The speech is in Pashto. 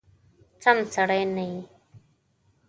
سم سړی نه یې !